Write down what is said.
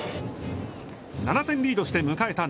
７点リードして迎えた